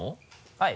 はい。